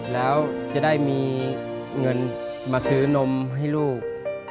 แล้วจะได้มีเงินมาซื้อนมให้ลูก